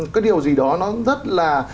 cái điều gì đó nó rất là